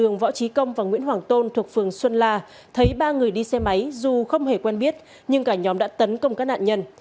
nghĩa và nguyễn hoàng tôn thuộc phường xuân la thấy ba người đi xe máy dù không hề quen biết nhưng cả nhóm đã tấn công các nạn nhân